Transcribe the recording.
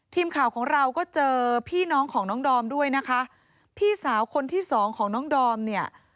ทีมข่าวของเราก็เจอพี่น้องของน้องดอมด้วยนะคะพี่สาวคนที่สองของน้องดอมเนี่ย